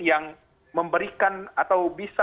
yang memberikan atau bisa